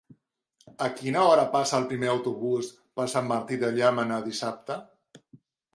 A quina hora passa el primer autobús per Sant Martí de Llémena dissabte?